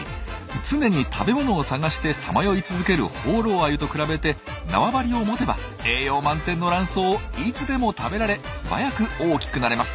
常に食べ物を探してさまよい続ける放浪アユと比べて縄張りを持てば栄養満点のラン藻をいつでも食べられ素早く大きくなれます。